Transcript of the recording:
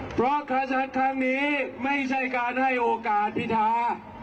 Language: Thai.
เพราะคาชัดครั้งนี้ไม่ใช่การให้โอกาสพิธา